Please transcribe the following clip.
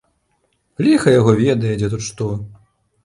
Ліха яго ведае, дзе тут што.